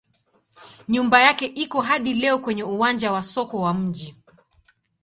Nyumba yake iko hadi leo kwenye uwanja wa soko wa mji.